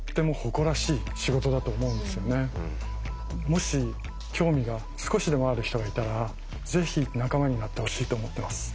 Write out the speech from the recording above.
もし興味が少しでもある人がいたらぜひ仲間になってほしいと思ってます。